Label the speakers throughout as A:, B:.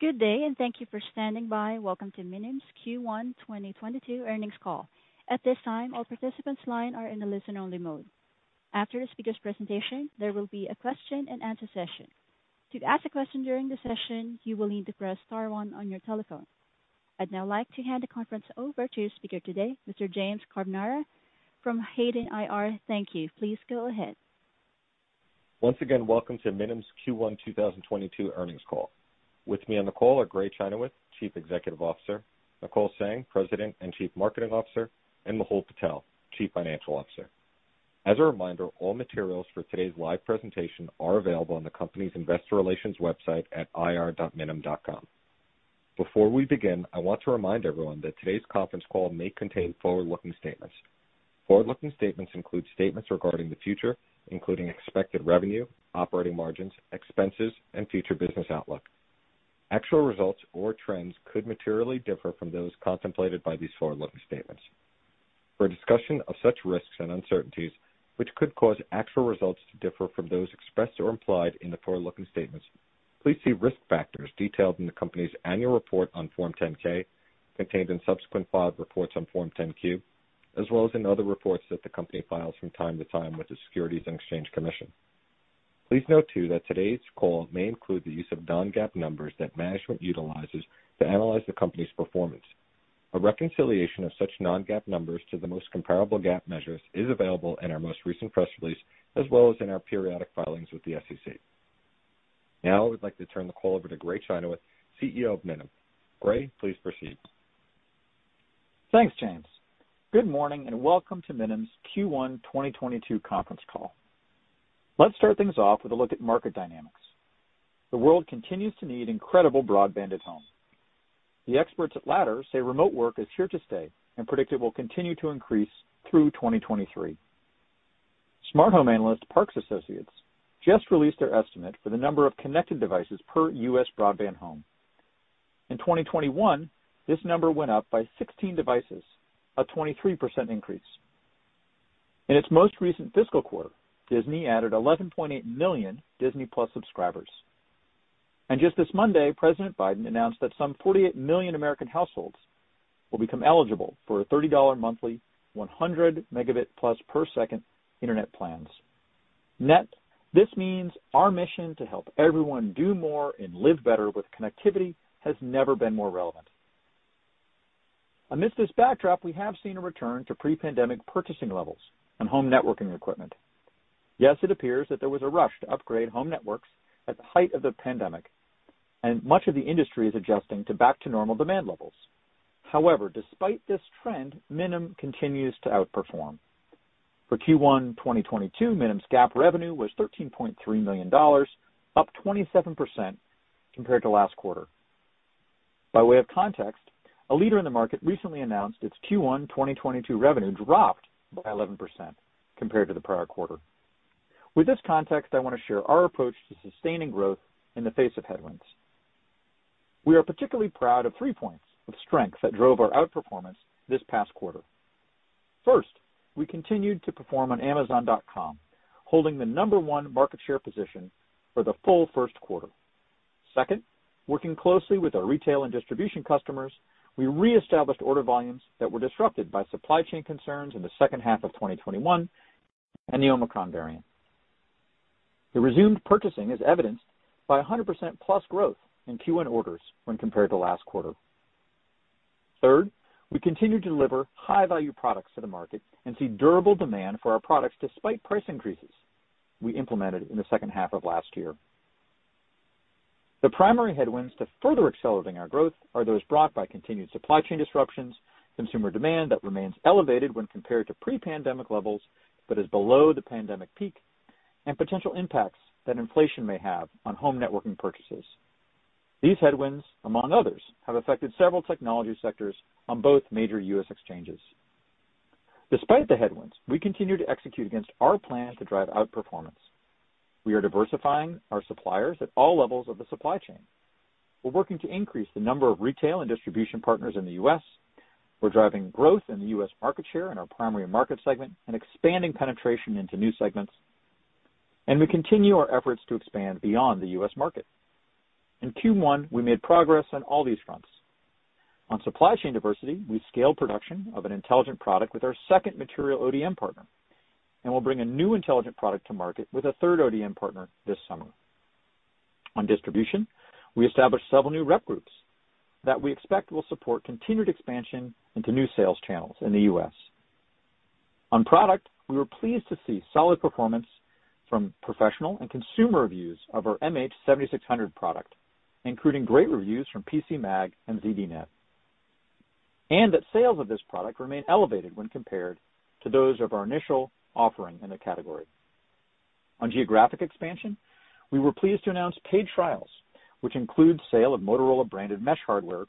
A: Good day, and thank you for standing by. Welcome to Minim's Q1 2022 earnings call. At this time, all participants' lines are in a listen-only mode. After the speaker's presentation, there will be a question-and-answer session. To ask a question during the session, you will need to press star one on your telephone. I'd now like to hand the conference over to your speaker today, Mr. James Carbonara from Hayden IR. Thank you. Please go ahead.
B: Once again, welcome to Minim's Q1 2022 earnings call. With me on the call are Gray Chynoweth, Chief Executive Officer, Nicole Zheng, President and Chief Marketing Officer, and Mehul Patel, Chief Financial Officer. As a reminder, all materials for today's live presentation are available on the company's investor relations website at ir.minim.com. Before we begin, I want to remind everyone that today's conference call may contain forward-looking statements. Forward-looking statements include statements regarding the future, including expected revenue, operating margins, expenses, and future business outlook. Actual results or trends could materially differ from those contemplated by these forward-looking statements. For a discussion of such risks and uncertainties which could cause actual results to differ from those expressed or implied in the forward-looking statements, please see risk factors detailed in the company's annual report on Form 10-K, contained in subsequent filed reports on Form 10-Q, as well as in other reports that the company files from time to time with the Securities and Exchange Commission. Please note, too, that today's call may include the use of non-GAAP numbers that management utilizes to analyze the company's performance. A reconciliation of such non-GAAP numbers to the most comparable GAAP measures is available in our most recent press release, as well as in our periodic filings with the SEC. Now I would like to turn the call over to Gray Chynoweth, CEO of Minim. Gray, please proceed.
C: Thanks, James. Good morning, and welcome to Minim's Q1 2022 conference call. Let's start things off with a look at market dynamics. The world continues to need incredible broadband at home. The experts at Ladders say remote work is here to stay and predict it will continue to increase through 2023. Smart home analyst Parks Associates just released their estimate for the number of connected devices per U.S broadband home. In 2021, this number went up by 16 devices, a 23% increase. In its most recent fiscal quarter, Disney added 11.8 million Disney+ subscribers. Just this Monday, President Biden announced that some 48 million American households will become eligible for a $30 monthly, 100 Mbps+ internet plans. Net, this means our mission to help everyone do more and live better with connectivity has never been more relevant. Amidst this backdrop, we have seen a return to pre-pandemic purchasing levels on home networking equipment. Yes, it appears that there was a rush to upgrade home networks at the height of the pandemic, and much of the industry is adjusting to back to normal demand levels. However, despite this trend, Minim continues to outperform. For Q1 2022, Minim's GAAP revenue was $13.3 million, up 27% compared to last quarter. By way of context, a leader in the market recently announced its Q1 2022 revenue dropped by 11% compared to the prior quarter. With this context, I want to share our approach to sustaining growth in the face of headwinds. We are particularly proud of three points of strength that drove our outperformance this past quarter. First, we continued to perform on amazon.com, holding the number one market share position for the full first quarter. Second, working closely with our retail and distribution customers, we reestablished order volumes that were disrupted by supply chain concerns in the second half of 2021 and the Omicron variant. The resumed purchasing is evidenced by 100%+ growth in Q1 orders when compared to last quarter. Third, we continue to deliver high-value products to the market and see durable demand for our products despite price increases we implemented in the second half of last year. The primary headwinds to further accelerating our growth are those brought by continued supply chain disruptions, consumer demand that remains elevated when compared to pre-pandemic levels, but is below the pandemic peak, and potential impacts that inflation may have on home networking purchases. These headwinds, among others, have affected several technology sectors on both major U.S exchanges. Despite the headwinds, we continue to execute against our plan to drive outperformance. We are diversifying our suppliers at all levels of the supply chain. We're working to increase the number of retail and distribution partners in the U.S. We're driving growth in the U.S market share in our primary market segment and expanding penetration into new segments. We continue our efforts to expand beyond the U.S market. In Q1, we made progress on all these fronts. On supply chain diversity, we scaled production of an intelligent product with our second material ODM partner, and we'll bring a new intelligent product to market with a third ODM partner this summer. On distribution, we established several new rep groups that we expect will support continued expansion into new sales channels in the U.S. On product, we were pleased to see solid performance from professional and consumer reviews of our MH7600 product, including great reviews from PCMag and ZDNet, and that sales of this product remain elevated when compared to those of our initial offering in the category. On geographic expansion, we were pleased to announce paid trials, which include sale of Motorola-branded mesh hardware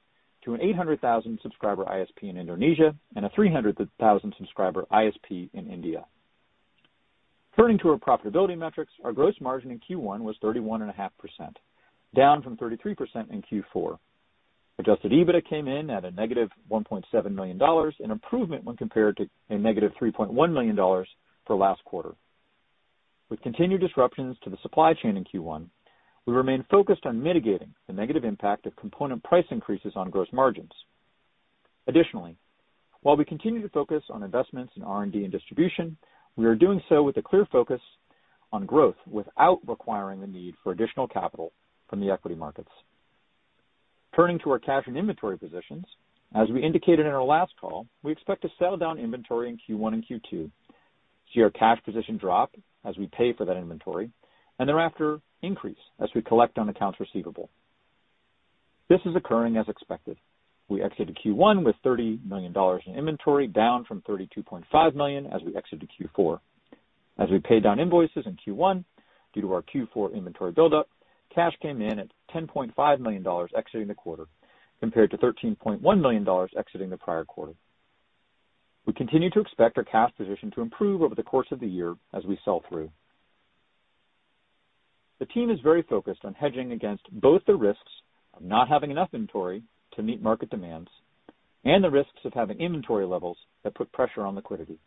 C: to an 800,000-subscriber ISP in Indonesia and a 300,000-subscriber ISP in India. Turning to our profitability metrics, our gross margin in Q1 was 31.5%, down from 33% in Q4. Adjusted EBITDA came in at negative $1.7 million, an improvement when compared to negative $3.1 million for last quarter. With continued disruptions to the supply chain in Q1, we remain focused on mitigating the negative impact of component price increases on gross margins. Additionally, while we continue to focus on investments in R&D and distribution, we are doing so with a clear focus on growth without requiring the need for additional capital from the equity markets. Turning to our cash and inventory positions, as we indicated in our last call, we expect to sell down inventory in Q1 and Q2, see our cash position drop as we pay for that inventory, and thereafter increase as we collect on accounts receivable. This is occurring as expected. We exited Q1 with $30 million in inventory, down from $32.5 million as we exited Q4. As we paid down invoices in Q1 due to our Q4 inventory buildup, cash came in at $10.5 million exiting the quarter, compared to $13.1 million exiting the prior quarter. We continue to expect our cash position to improve over the course of the year as we sell through. The team is very focused on hedging against both the risks of not having enough inventory to meet market demands and the risks of having inventory levels that put pressure on liquidity.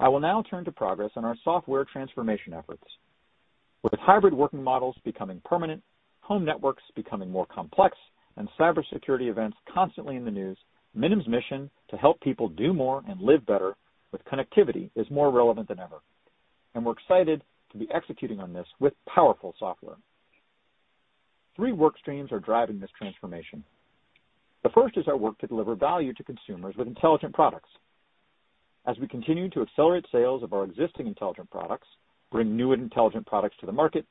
C: I will now turn to progress on our software transformation efforts. With hybrid working models becoming permanent, home networks becoming more complex, and cybersecurity events constantly in the news, Minim's mission to help people do more and live better with connectivity is more relevant than ever, and we're excited to be executing on this with powerful software. Three work streams are driving this transformation. The first is our work to deliver value to consumers with intelligent products. As we continue to accelerate sales of our existing intelligent products, bring new and intelligent products to the market,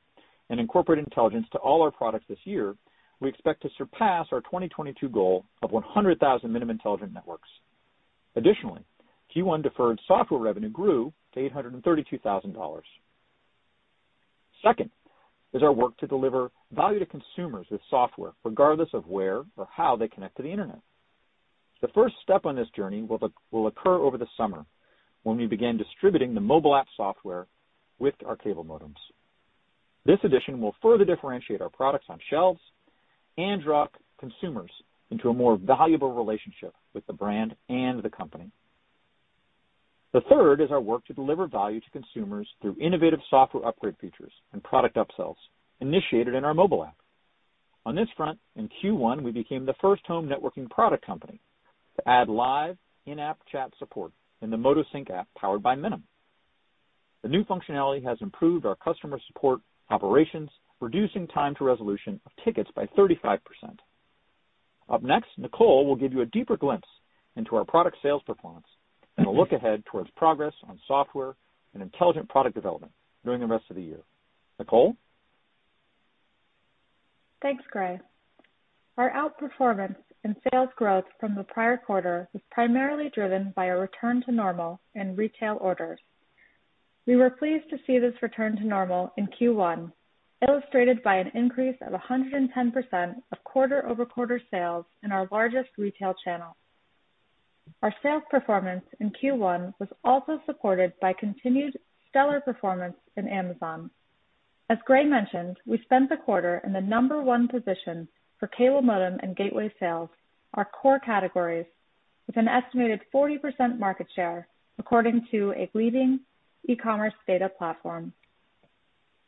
C: and incorporate intelligence to all our products this year, we expect to surpass our 2022 goal of 100,000 Minim intelligent networks. Additionally, Q1 deferred software revenue grew to $832,000. Second is our work to deliver value to consumers with software, regardless of where or how they connect to the Internet. The first step on this journey will occur over the summer when we begin distributing the mobile app software with our cable modems. This addition will further differentiate our products on shelves and draw consumers into a more valuable relationship with the brand and the company. The third is our work to deliver value to consumers through innovative software upgrade features and product upsells initiated in our mobile app. On this front, in Q1, we became the first home networking product company to add live in-app chat support in the Moto Sync app powered by Minim. The new functionality has improved our customer support operations, reducing time to resolution of tickets by 35%. Up next, Nicole will give you a deeper glimpse into our product sales performance and a look ahead towards progress on software and intelligent product development during the rest of the year. Nicole.
D: Thanks, Gray. Our outperformance and sales growth from the prior quarter was primarily driven by a return to normal in retail orders. We were pleased to see this return to normal in Q1, illustrated by an increase of 110% quarter-over-quarter sales in our largest retail channel. Our sales performance in Q1 was also supported by continued stellar performance in Amazon. As Gray mentioned, we spent the quarter in the number one position for cable modem and gateway sales, our core categories, with an estimated 40% market share, according to a leading e-commerce data platform.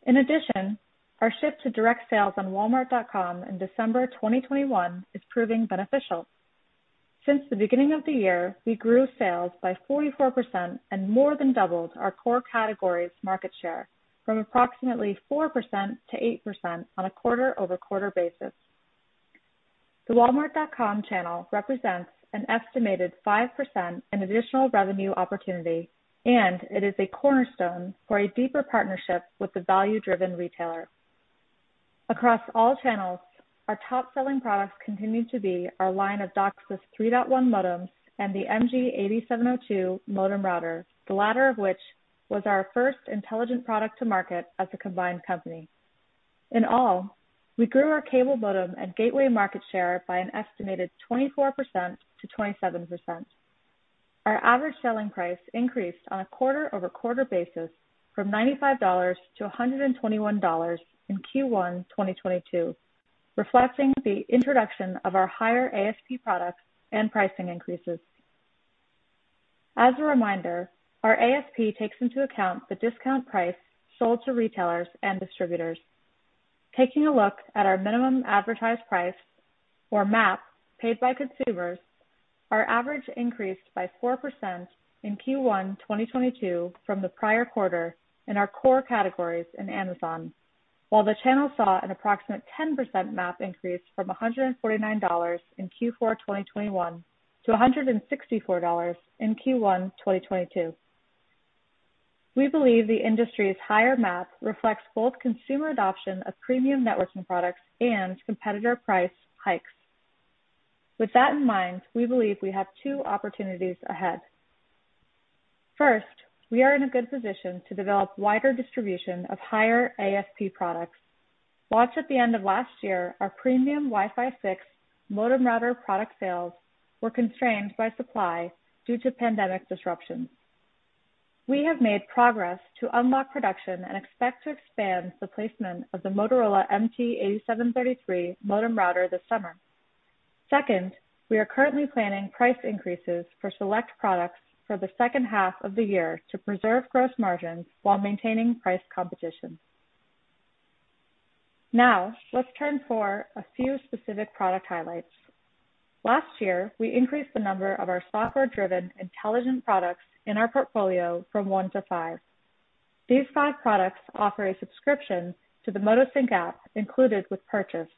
D: In addition, our shift to direct sales on walmart.com in December 2021 is proving beneficial. Since the beginning of the year, we grew sales by 44% and more than doubled our core categories market share from approximately 4% to 8% on a quarter-over-quarter basis. The Walmart.com channel represents an estimated 5% in additional revenue opportunity, and it is a cornerstone for a deeper partnership with the value-driven retailer. Across all channels, our top-selling products continue to be our line of DOCSIS 3.1 modems and the MG8702 modem router, the latter of which was our first intelligent product to market as a combined company. In all, we grew our cable modem and gateway market share by an estimated 24%-27%. Our average selling price increased on a quarter-over-quarter basis from $95 to $121 in Q1 2022, reflecting the introduction of our higher ASP products and pricing increases. As a reminder, our ASP takes into account the discount price sold to retailers and distributors. Taking a look at our minimum advertised price, or MAP, paid by consumers, our average increased by 4% in Q1 2022 from the prior quarter in our core categories in Amazon, while the channel saw an approximate 10% MAP increase from $149 in Q4 2021 to $164 in Q1 2022. We believe the industry's higher MAP reflects both consumer adoption of premium networking products and competitor price hikes. With that in mind, we believe we have two opportunities ahead. First, we are in a good position to develop wider distribution of higher ASP products. Launched at the end of last year, our premium Wi-Fi 6 modem router product sales were constrained by supply due to pandemic disruptions. We have made progress to unlock production and expect to expand the placement of the Motorola MT8733 modem router this summer. Second, we are currently planning price increases for select products for the second half of the year to preserve gross margins while maintaining price competition. Now let's turn to a few specific product highlights. Last year, we increased the number of our software driven intelligent products in our portfolio from one to five. These five products offer a subscription to the Motosync app included with purchase,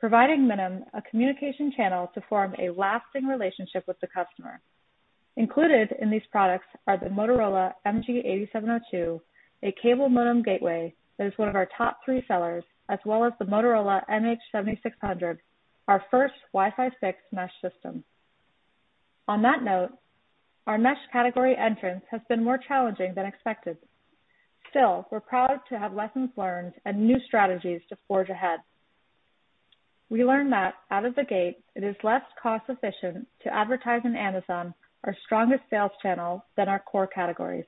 D: providing Minim a communication channel to form a lasting relationship with the customer. Included in these products are the Motorola MG8702, a cable modem gateway that is one of our top three sellers, as well as the Motorola MH7600, our first Wi-Fi 6 mesh system. On that note, our mesh category entrance has been more challenging than expected. Still, we're proud to have lessons learned and new strategies to forge ahead. We learned that out of the gate it is less cost efficient to advertise in Amazon, our strongest sales channel, than our core categories.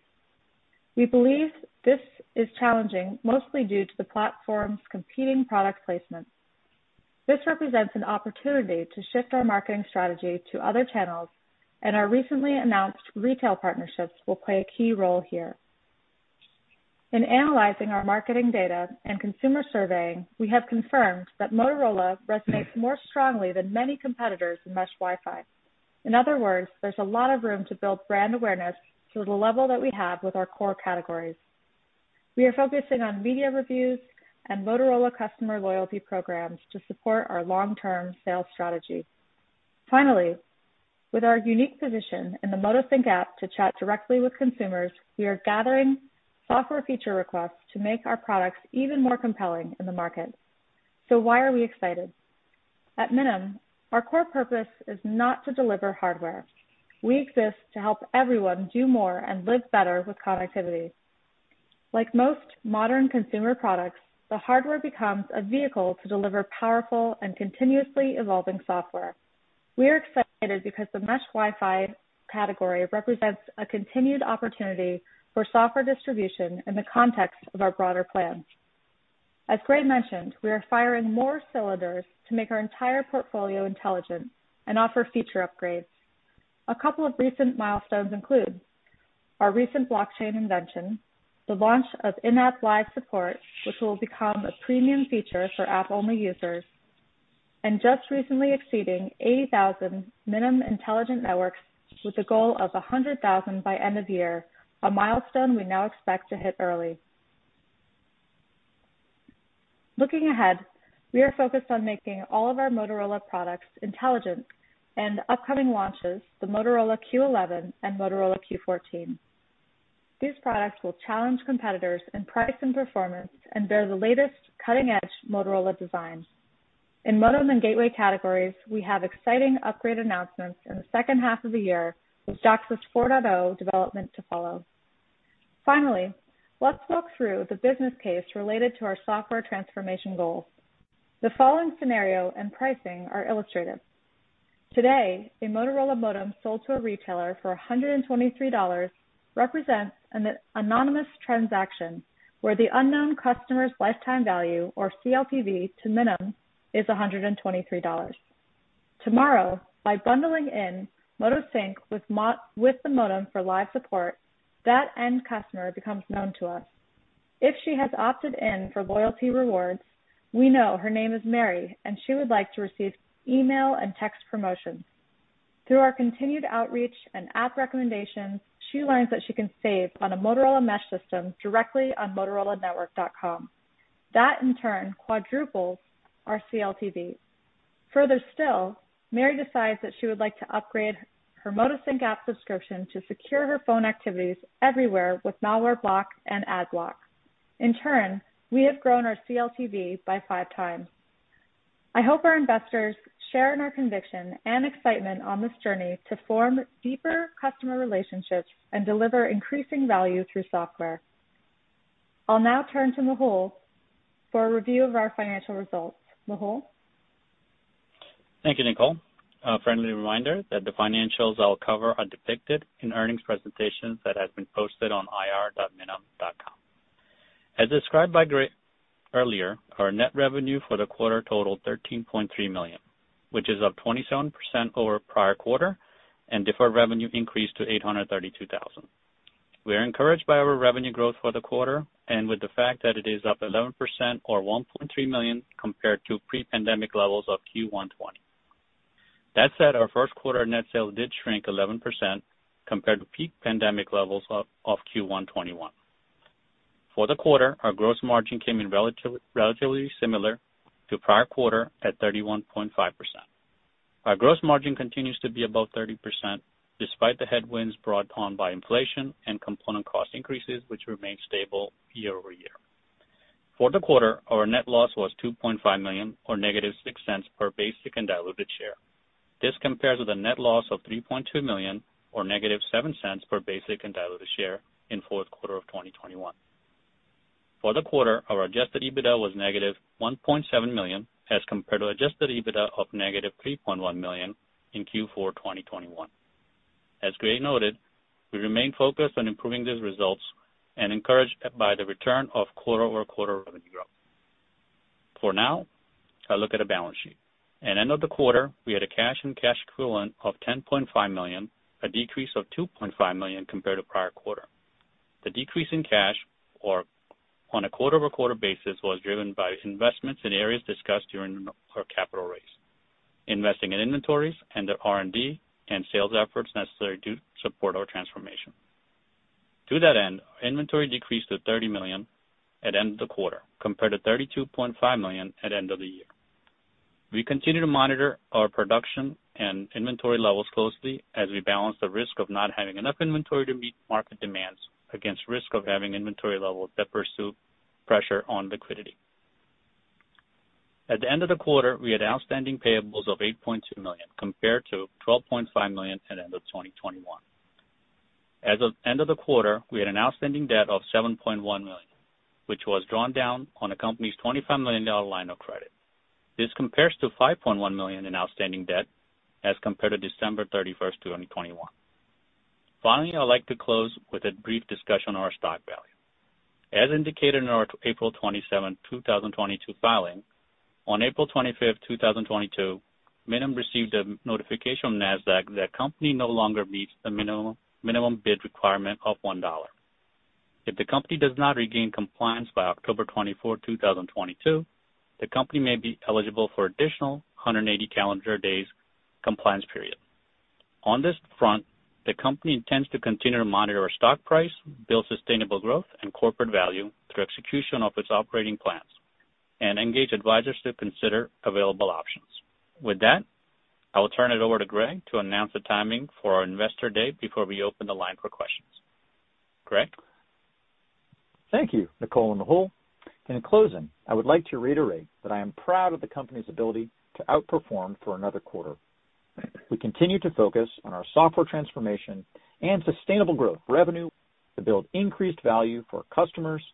D: We believe this is challenging mostly due to the platform's competing product placements. This represents an opportunity to shift our marketing strategy to other channels, and our recently announced retail partnerships will play a key role here. In analyzing our marketing data and consumer surveying, we have confirmed that Motorola resonates more strongly than many competitors in mesh Wi-Fi. In other words, there's a lot of room to build brand awareness to the level that we have with our core categories. We are focusing on media reviews and Motorola customer loyalty programs to support our long term sales strategy. Finally, with our unique position in the motosync app to chat directly with consumers, we are gathering software feature requests to make our products even more compelling in the market. Why are we excited? At Minim, our core purpose is not to deliver hardware. We exist to help everyone do more and live better with connectivity. Like most modern consumer products, the hardware becomes a vehicle to deliver powerful and continuously evolving software. We are excited because the mesh Wi-Fi category represents a continued opportunity for software distribution in the context of our broader plans. As Gray mentioned, we are firing more cylinders to make our entire portfolio intelligent and offer feature upgrades. A couple of recent milestones include our recent blockchain invention, the launch of in-app live support, which will become a premium feature for app only users, and just recently exceeding 80,000 Minim intelligent networks with the goal of 100,000 by end of year, a milestone we now expect to hit early. Looking ahead, we are focused on making all of our Motorola products intelligent and upcoming launches the Motorola Q11 and Motorola Q14. These products will challenge competitors in price and performance and bear the latest cutting edge Motorola designs. In modem and gateway categories, we have exciting upgrade announcements in the second half of the year, with DOCSIS 4.0 development to follow. Finally, let's walk through the business case related to our software transformation goals. The following scenario and pricing are illustrative. Today, a Motorola modem sold to a retailer for $123 represents an anonymous transaction where the unknown customer's lifetime value, or CLTV to Minim, is $123. Tomorrow, by bundling in Motosync with the modem for live support, that end customer becomes known to us. If she has opted in for loyalty rewards, we know her name is Mary and she would like to receive email and text promotions. Through our continued outreach and app recommendations, she learns that she can save on a Motorola mesh system directly on motorolanetwork.com. That, in turn, quadruples our CLTV. Further still, Mary decides that she would like to upgrade her Motosync app subscription to secure her phone activities everywhere with malware block and ad block. In turn, we have grown our CLTV by five times. I hope our investors share in our conviction and excitement on this journey to form deeper customer relationships and deliver increasing value through software. I'll now turn to Mehul for a review of our financial results. Mehul?
E: Thank you, Nicole. A friendly reminder that the financials I'll cover are depicted in earnings presentations that have been posted on ir.minim.com. As described by Gray earlier, our net revenue for the quarter totaled $13.3 million, which is up 27% over prior quarter, and deferred revenue increased to $832,000. We are encouraged by our revenue growth for the quarter and with the fact that it is up 11% or $1.3 million compared to pre-pandemic levels of Q1 2020. That said, our first quarter net sales did shrink 11% compared to peak pandemic levels of Q1 2021. For the quarter, our gross margin came in relatively similar to prior quarter at 31.5%. Our gross margin continues to be above 30% despite the headwinds brought on by inflation and component cost increases, which remain stable year-over-year. For the quarter, our net loss was $2.5 million or -6 cents per basic and diluted share. This compares with a net loss of $3.2 million or -7 cents per basic and diluted share in fourth quarter of 2021. For the quarter, our adjusted EBITDA was $-1.7 million as compared to adjusted EBITDA of $-3.1 million in Q4 2021. As Greg noted, we remain focused on improving these results and encouraged by the return of quarter-over-quarter revenue growth. For now, I look at the balance sheet. At the end of the quarter, we had cash and cash equivalents of $10.5 million, a decrease of $2.5 million compared to the prior quarter. The decrease in cash on a quarter-over-quarter basis was driven by investments in areas discussed during our capital raise, investing in inventories and the R&D and sales efforts necessary to support our transformation. To that end, our inventory decreased to $30 million at the end of the quarter compared to $32.5 million at the end of the year. We continue to monitor our production and inventory levels closely as we balance the risk of not having enough inventory to meet market demands against the risk of having inventory levels that put pressure on liquidity. At the end of the quarter, we had outstanding payables of $8.2 million compared to $12.5 million at the end of 2021. As of end of the quarter, we had an outstanding debt of $7.1 million, which was drawn down on the company's $25 million line of credit. This compares to $5.1 million in outstanding debt as compared to December 31, 2021. Finally, I'd like to close with a brief discussion on our stock value. As indicated in our April 27, 2022 filing, on April 25, 2022, Minim received a notification from Nasdaq that the company no longer meets the minimum bid requirement of $1. If the company does not regain compliance by October 24, 2022, the company may be eligible for an additional 180 calendar days compliance period. On this front, the company intends to continue to monitor our stock price, build sustainable growth and corporate value through execution of its operating plans and engage advisors to consider available options. With that, I will turn it over to Gray to announce the timing for our investor day before we open the line for questions. Gray.
C: Thank you, Nicole and Mehul. In closing, I would like to reiterate that I am proud of the company's ability to outperform for another quarter. We continue to focus on our software transformation and sustainable growth revenue to build increased value for customers,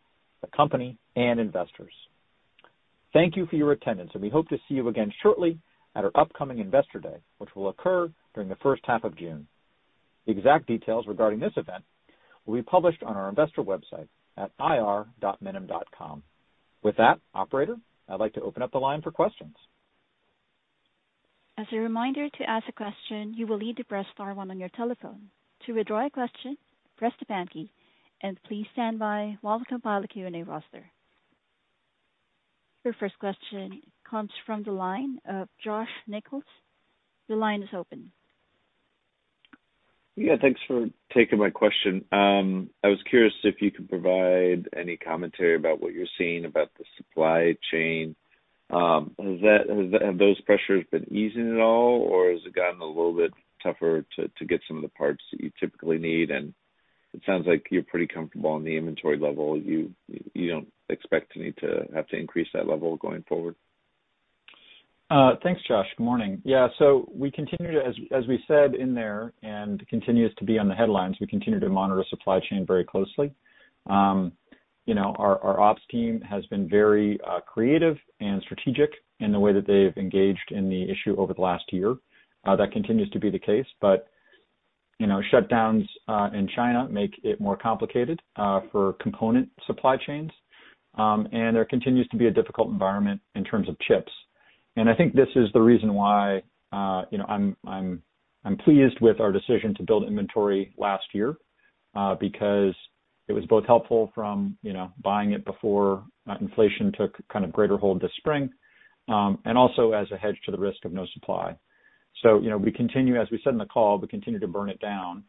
C: the company, and investors. Thank you for your attendance, and we hope to see you again shortly at our upcoming Investor Day, which will occur during the first half of June. The exact details regarding this event will be published on our investor website at ir.minim.com. With that, operator, I'd like to open up the line for questions.
A: As a reminder, to ask a question, you will need to press star one on your telephone. To withdraw a question, press the pound key. Please stand by while we compile the Q&A roster. Your first question comes from the line of Josh Nichols, the line is open.
F: Yeah, thanks for taking my question. I was curious if you could provide any commentary about what you're seeing about the supply chain. Have those pressures been easing at all, or has it gotten a little bit tougher to get some of the parts that you typically need? It sounds like you're pretty comfortable on the inventory level. You don't expect to need to have to increase that level going forward.
C: Thanks, Josh. Good morning. Yeah. We continue to as we said in there and continues to be on the headlines, we continue to monitor supply chain very closely. You know, our ops team has been very creative and strategic in the way that they've engaged in the issue over the last year. That continues to be the case. You know, shutdowns in China make it more complicated for component supply chains. There continues to be a difficult environment in terms of chips. I think this is the reason why you know, I'm pleased with our decision to build inventory last year because it was both helpful from you know, buying it before inflation took kind of greater hold this spring, and also as a hedge to the risk of no supply. You know, we continue, as we said in the call, to burn it down.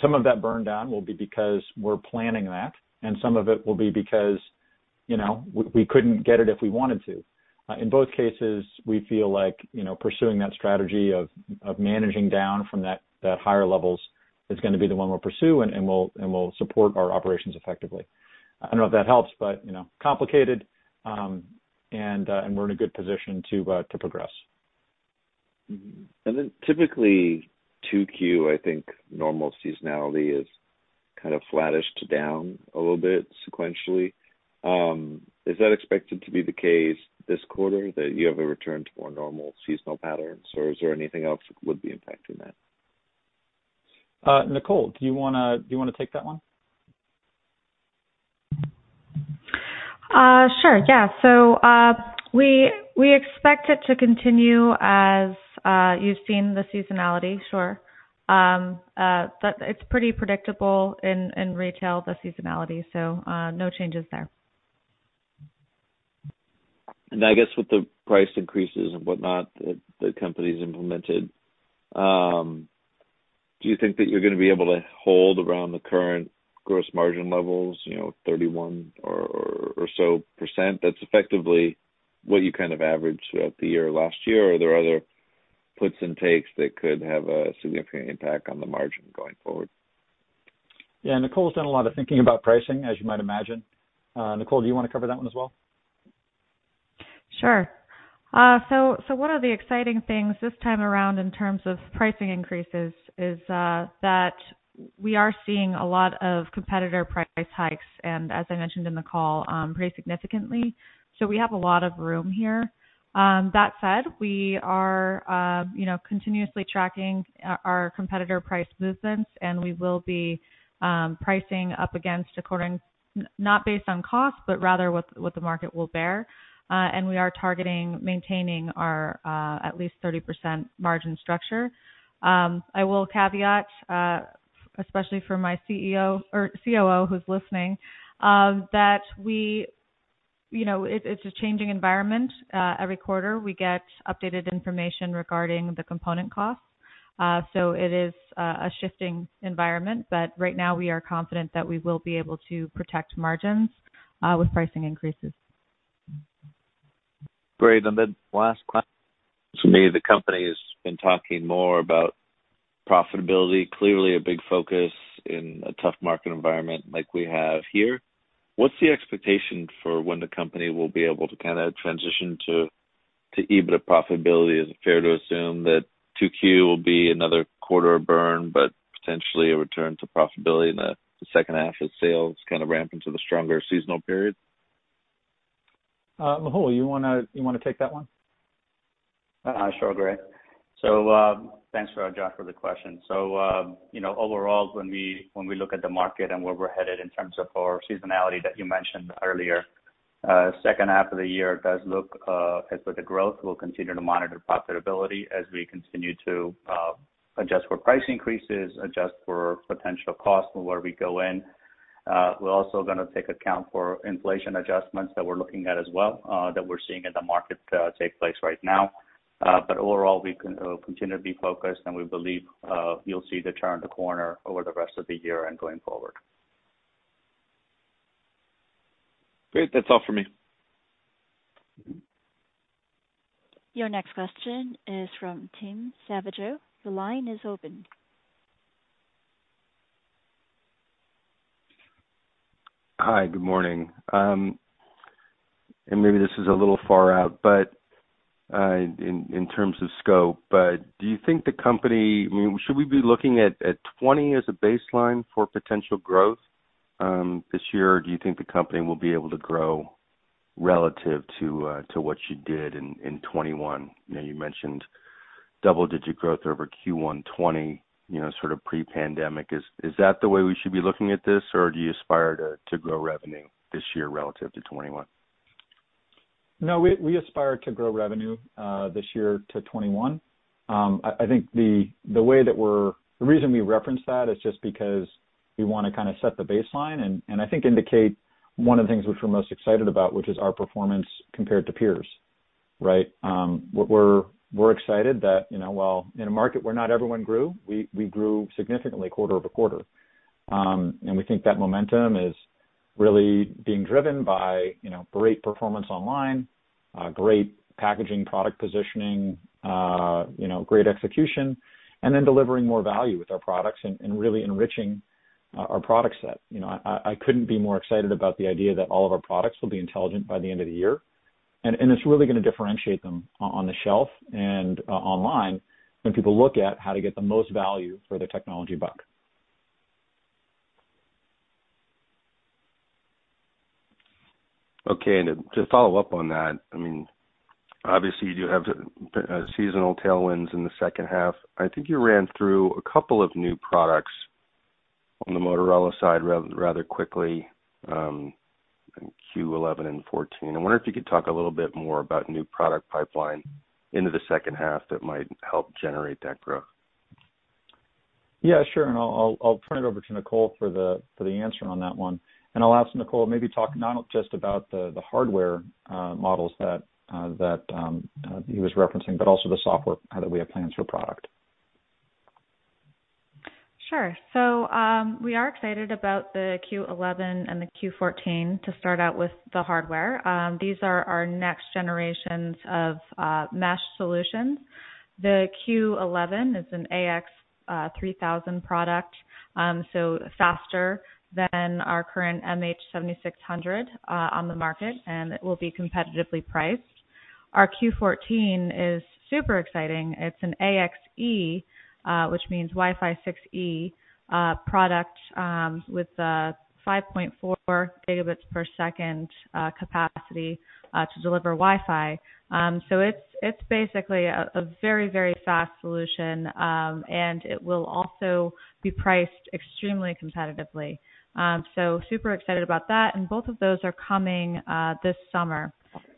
C: Some of that burn down will be because we're planning that, and some of it will be because, you know, we couldn't get it if we wanted to. In both cases, we feel like, you know, pursuing that strategy of managing down from that higher levels is gonna be the one we'll pursue and will support our operations effectively. I don't know if that helps, but, you know, complicated, and we're in a good position to progress.
F: Typically 2Q, I think normal seasonality is kind of flattish to down a little bit sequentially. Is that expected to be the case this quarter that you have a return to more normal seasonal patterns, or is there anything else that would be impacting that?
C: Nicole, do you wanna take that one?
D: Sure. Yeah. We expect it to continue as you've seen the seasonality. Sure. But it's pretty predictable in retail, the seasonality, so no changes there.
F: I guess with the price increases and whatnot that the company's implemented, do you think that you're gonna be able to hold around the current gross margin levels, you know, 31% or so? That's effectively what you kind of averaged throughout the year last year. Are there other puts and takes that could have a significant impact on the margin going forward?
C: Yeah. Nicole's done a lot of thinking about pricing, as you might imagine. Nicole, do you wanna cover that one as well?
D: Sure. One of the exciting things this time around in terms of pricing increases is that. We are seeing a lot of competitor price hikes, and as I mentioned in the call, pretty significantly. We have a lot of room here. That said, we are continuously tracking our competitor price movements, and we will be pricing up accordingly. Not based on cost, but rather what the market will bear. We are targeting maintaining our at least 30% margin structure. I will caveat, especially for my CEO or COO who's listening, that it's a changing environment. Every quarter, we get updated information regarding the component costs. It is a shifting environment, but right now, we are confident that we will be able to protect margins with pricing increases.
F: Great. Last question. Maybe the company has been talking more about profitability, clearly a big focus in a tough market environment like we have here. What's the expectation for when the company will be able to kinda transition to EBITDA profitability? Is it fair to assume that 2Q will be another quarter of burn, but potentially a return to profitability in the second half as sales kind of ramp into the stronger seasonal period?
C: Mehul, you wanna take that one?
E: Sure, Gray. Thanks, Josh, for the question. You know, overall, when we look at the market and where we're headed in terms of our seasonality that you mentioned earlier, second half of the year does look as with the growth. We'll continue to monitor profitability as we continue to adjust for price increases, adjust for potential costs and where we go in. We're also gonna take account for inflation adjustments that we're looking at as well that we're seeing in the market take place right now. Overall, we continue to be focused, and we believe you'll see the turn of the corner over the rest of the year and going forward.
F: Great. That's all for me.
A: Your next question is from Tim Savageaux, the line is open.
G: Hi, good morning. Maybe this is a little far out, but in terms of scope, do you think the company—I mean, should we be looking at 20 as a baseline for potential growth this year? Do you think the company will be able to grow relative to what you did in 2021? You know, you mentioned double-digit growth over Q1 2020, you know, sort of pre-pandemic. Is that the way we should be looking at this, or do you aspire to grow revenue this year relative to 2021?
C: No. We aspire to grow revenue this year to $21. I think the reason we reference that is just because we wanna kinda set the baseline, and I think indicate one of the things which we're most excited about, which is our performance compared to peers, right? We're excited that, you know, while in a market where not everyone grew, we grew significantly quarter-over-quarter. We think that momentum is really being driven by, you know, great performance online, great packaging, product positioning, you know, great execution, and then delivering more value with our products and really enriching our product set. You know, I couldn't be more excited about the idea that all of our products will be intelligent by the end of the year. It's really gonna differentiate them on the shelf and online when people look at how to get the most value for their technology buck.
G: Okay. To follow up on that, I mean, obviously you do have seasonal tailwinds in the second half. I think you ran through a couple of new products on the Motorola side rather quickly in Q11 and Q14. I wonder if you could talk a little bit more about new product pipeline into the second half that might help generate that growth.
C: Yeah, sure. I'll turn it over to Nicole for the answer on that one. I'll ask Nicole maybe talk not just about the hardware models that he was referencing, but also the software that we have plans for product.
D: Sure. We are excited about the Q11 and the Q14 to start out with the hardware. These are our next generations of mesh solutions. The Q11 is an AX3000 product, so faster than our current MH7600 on the market, and it will be competitively priced. Our Q14 is super exciting. It's an AXE, which means Wi-Fi 6E, product, with 5.4 Gbps capacity to deliver Wi-Fi. It's basically a very fast solution, and it will also be priced extremely competitively. Super excited about that, and both of those are coming this summer.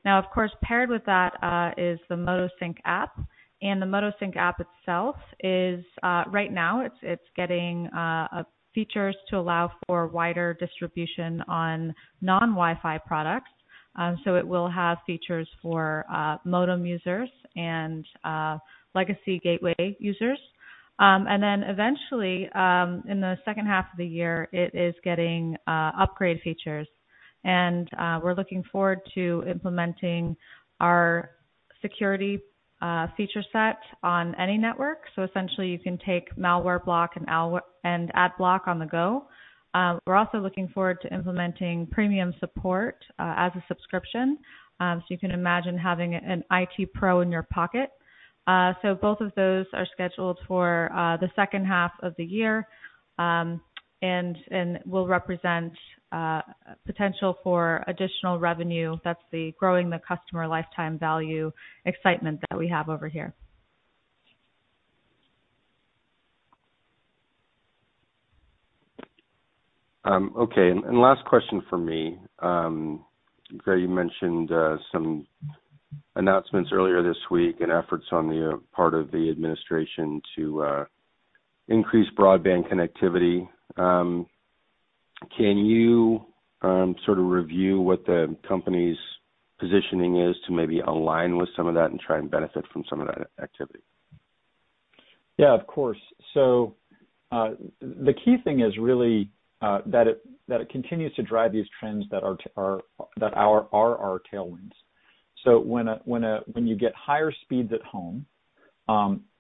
D: Now, of course, paired with that, is the Motosync app. The Motosync app itself is right now it's getting features to allow for wider distribution on non-Wi-Fi products. It will have features for modem users and legacy gateway users. Eventually, in the second half of the year, it is getting upgrade features. We're looking forward to implementing our security feature set on any network. Essentially you can take malware block and ad block on the go. We're also looking forward to implementing premium support as a subscription. You can imagine having an IT pro in your pocket. Both of those are scheduled for the second half of the year, and will represent potential for additional revenue. That's the growing customer lifetime value excitement that we have over here.
G: Okay. Last question from me. Gray, you mentioned some announcements earlier this week and efforts on the part of the administration to increase broadband connectivity. Can you sort of review what the company's positioning is to maybe align with some of that and try and benefit from some of that activity?
C: Yeah, of course. The key thing is really that it continues to drive these trends that are our tailwinds. When you get higher speeds at home,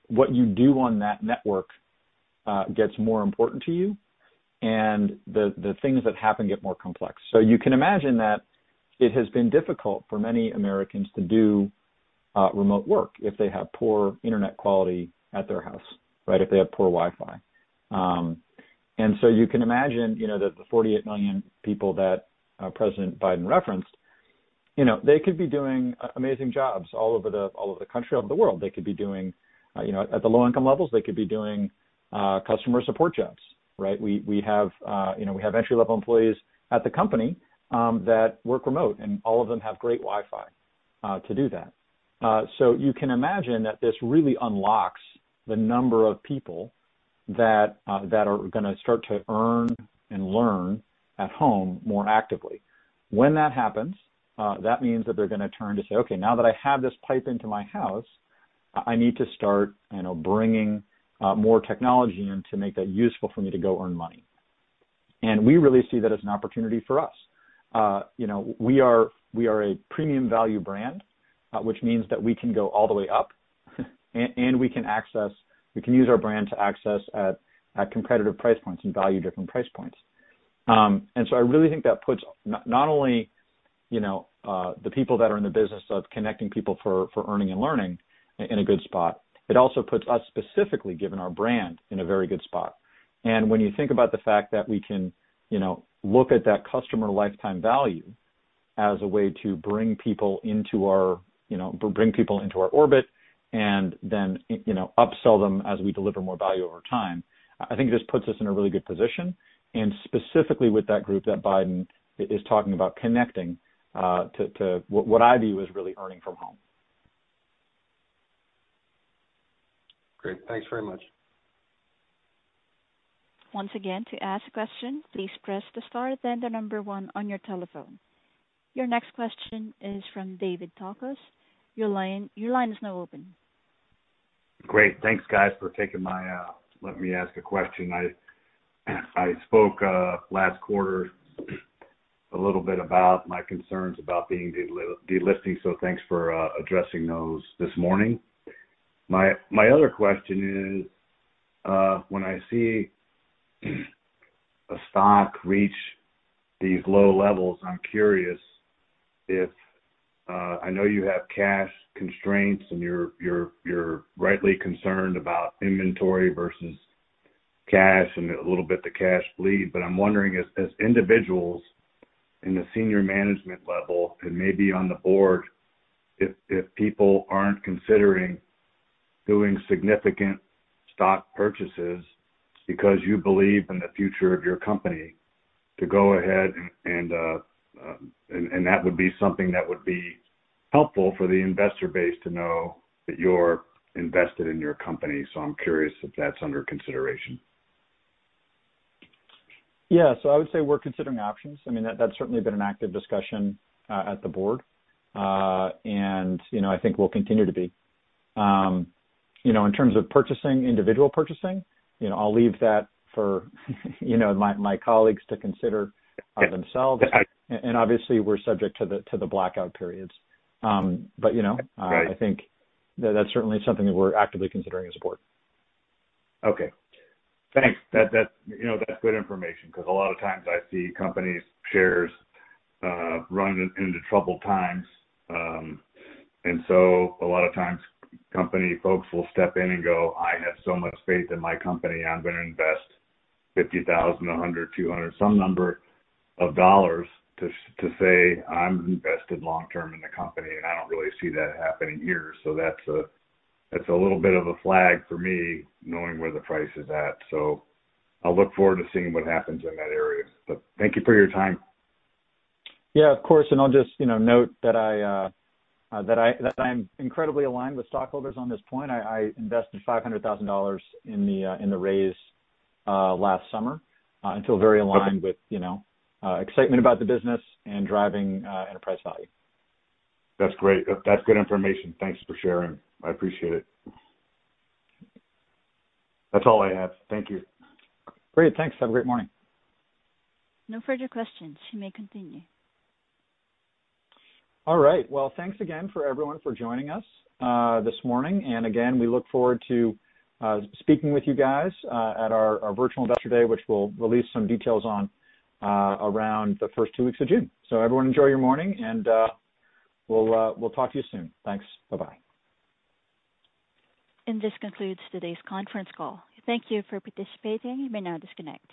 C: what you do on that network gets more important to you and the things that happen get more complex. You can imagine that it has been difficult for many Americans to do remote work if they have poor internet quality at their house, right, if they have poor Wi-Fi. You can imagine, you know, the 48 million people that President Biden referenced, you know, they could be doing amazing jobs all over the country, all over the world. They could be doing, you know, at the low income levels, customer support jobs, right? We have, you know, entry-level employees at the company that work remote, and all of them have great Wi-Fi to do that. You can imagine that this really unlocks the number of people that are gonna start to earn and learn at home more actively. When that happens, that means that they're gonna turn to say, "Okay, now that I have this pipe into my house, I need to start, you know, bringing more technology in to make that useful for me to go earn money." We really see that as an opportunity for us. You know, we are a premium value brand, which means that we can go all the way up and we can use our brand to access at competitive price points and value different price points. I really think that puts not only, you know, the people that are in the business of connecting people for earning and learning in a good spot, it also puts us specifically, given our brand, in a very good spot. When you think about the fact that we can, you know, look at that customer lifetime value as a way to bring people into our orbit and then, you know, upsell them as we deliver more value over time, I think this puts us in a really good position, and specifically with that group that Biden is talking about connecting to what I view as really earning from home.
G: Great. Thanks very much.
A: Once again, to ask a question, please press the star then the number one on your telephone. Your next question is from David Kanen, your line is now open.
H: Great. Thanks, guys, for letting me ask a question. I spoke last quarter a little bit about my concerns about being delisted, so thanks for addressing those this morning. My other question is, when I see a stock reach these low levels, I'm curious if I know you have cash constraints and you're rightly concerned about inventory versus cash and a little bit the cash bleed, but I'm wondering as individuals in the senior management level and maybe on the board if people aren't considering doing significant stock purchases because you believe in the future of your company to go ahead and that would be something that would be helpful for the investor base to know that you're invested in your company. I'm curious if that's under consideration.
C: Yeah. I would say we're considering options. I mean, that's certainly been an active discussion at the board. You know, I think will continue to be. You know, in terms of purchasing, individual purchasing, you know, I'll leave that for, you know, my colleagues to consider by themselves.
H: I-
C: Obviously we're subject to the blackout periods. But you know.
H: Right.
C: I think that's certainly something that we're actively considering as a board.
H: Okay. Thanks. That, you know, that's good information because a lot of times I see companies' shares run into troubled times. A lot of times company folks will step in and go, "I have so much faith in my company, I'm gonna invest $50,000, $100, $200," some number of dollars to say, "I'm invested long term in the company," and I don't really see that happening here. That's a little bit of a flag for me knowing where the price is at. I'll look forward to seeing what happens in that area. Thank you for your time.
C: Yeah, of course. I'll just, you know, note that I'm incredibly aligned with stockholders on this point. I invested $500,000 in the raise last summer and feel very aligned.
H: Okay.
C: with, you know, excitement about the business and driving enterprise value.
H: That's great. That's good information. Thanks for sharing. I appreciate it. That's all I have. Thank you.
C: Great. Thanks. Have a great morning.
A: No further questions. You may continue.
C: All right. Well, thanks again for everyone for joining us this morning. Again, we look forward to speaking with you guys at our virtual investor day, which we'll release some details on around the first two weeks of June. Everyone, enjoy your morning, and we'll talk to you soon. Thanks. Bye-bye.
A: This concludes today's conference call. Thank you for participating. You may now disconnect.